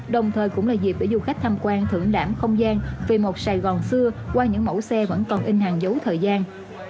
đồng thời cũng là dịp để du khách tham quan thưởng lãm không gian về một sài gòn xưa qua những mẫu xe vẫn còn in hàng dấu thời gian